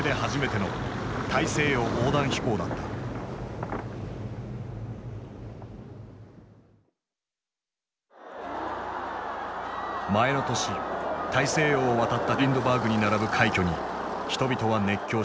前の年大西洋を渡ったリンドバーグに並ぶ快挙に人々は熱狂した。